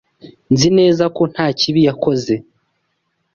Nzi neza ko nta kibi yakoze.